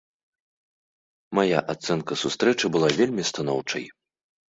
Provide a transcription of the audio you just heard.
Мая ацэнка сустрэчы была вельмі станоўчай.